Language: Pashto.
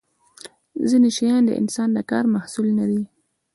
ځینې شیان د انسان د کار محصول نه دي.